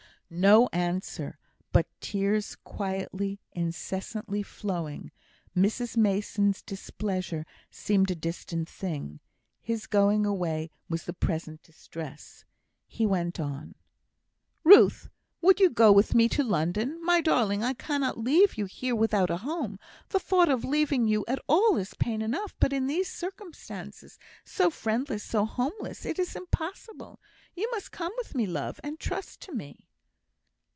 No answer, but tears quietly, incessantly flowing. Mrs Mason's displeasure seemed a distant thing; his going away was the present distress. He went on: "Ruth, would you go with me to London? My darling, I cannot leave you here without a home; the thought of leaving you at all is pain enough, but in these circumstances so friendless, so homeless it is impossible. You must come with me, love, and trust to me."